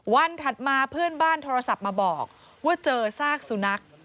ถัดมาเพื่อนบ้านโทรศัพท์มาบอกว่าเจอซากสุนัข